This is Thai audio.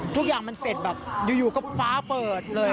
ทุกอย่างมันเสร็จแบบอยู่ก็ฟ้าเปิดเลย